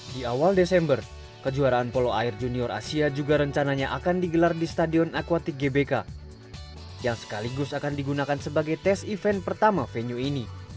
di awal desember kejuaraan polo air junior asia juga rencananya akan digelar di stadion aquatik gbk yang sekaligus akan digunakan sebagai tes event pertama venue ini